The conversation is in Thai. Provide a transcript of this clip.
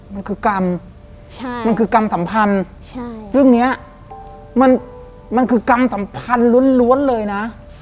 มันคือกรรมมันคือกรรมสัมพันธ์เรื่องนี้มันคือกรรมสัมพันธ์ล้วนเลยนะ